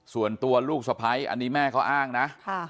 ส่วนตัวลูกสะพ้ายอันนี้แม่เขาอ้างนะ